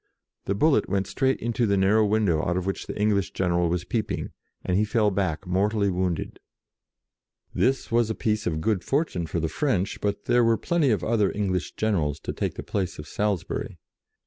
The bullet went straight into the narrow window out of which the English general was peeping, and he fell back, mortally wounded. This was a piece of good fortune for the French, but there were plenty of other English generals to take the place of Salisbury.